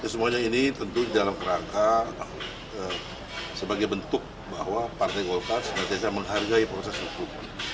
semuanya ini tentu dalam kerangka sebagai bentuk bahwa partai golkar senantiasa menghargai proses hukum